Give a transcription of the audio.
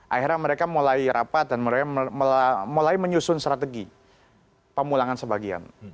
akhirnya mereka mulai rapat dan mulai menyusun strategi pemulangan sebagian